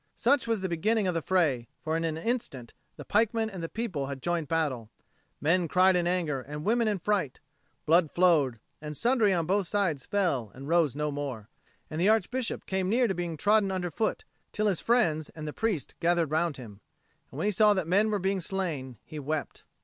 Such was the beginning of the fray; for in an instant the pikemen and the people had joined battle: men cried in anger and women in fright: blood flowed, and sundry on both sides fell and rose no more; and the Archbishop came near to being trodden under foot till his friends and the priests gathered round him; and when he saw that men were being slain, he wept.